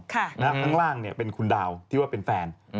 ข้างล่างเป็นคุณดาวที่ว่าเป็นแฟน